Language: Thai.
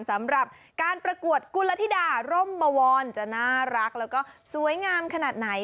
สำหรับการประกวดกุลธิดาร่มบวรจะน่ารักแล้วก็สวยงามขนาดไหน